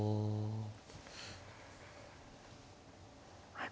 はい。